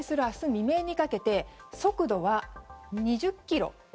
未明にかけて速度は２０キロ。